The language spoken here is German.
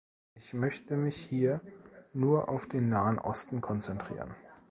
Ich möchte mich hier nur auf den Nahen Osten konzentrieren.